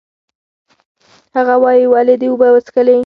هغه وایي، ولې دې اوبه وڅښلې؟